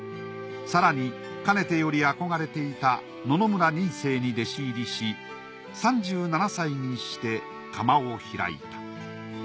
更にかねてより憧れていた野々村仁清に弟子入りし３７歳にして窯を開いた。